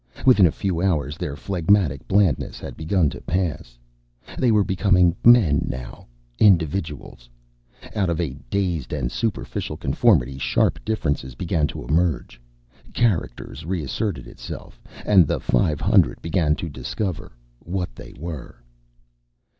Within a few hours, their phlegmatic blandness had begun to pass. They were becoming men now. Individuals. Out of a dazed and superficial conformity, sharp differences began to emerge. Character reasserted itself, and the five hundred began to discover what they were.